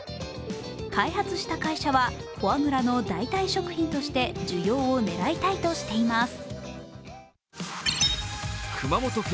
開発した会社はフォアグラの代替食品として需要を狙いたいとしています。